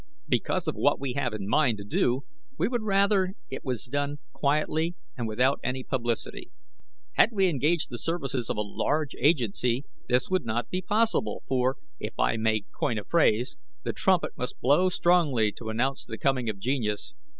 Because of what we have in mind to do we would rather it was done quietly and without any publicity. Had we engaged the services of a large agency this would not be possible, for, if I may coin a phrase, the trumpet must blow strongly to announce the coming of genius."